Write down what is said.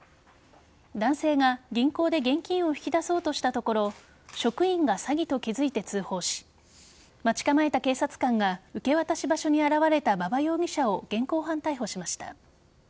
男性が銀行で現金を引き出そうとしたところ職員が詐欺と気づいて通報し待ち構えた警察官が受け渡し場所に現れた馬場容疑者を現行犯逮捕しました。